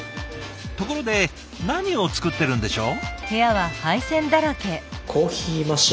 ところで何を作ってるんでしょう？